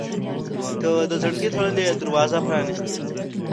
• ته د زړګي تړلې دروازه پرانستې.